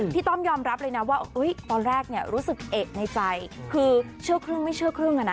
พี่ต้อมยอมรับเลยว่าตอนแรกรู้สึกเอกในใจคือเชื่อครึ่งไม่เชื่อครึ่ง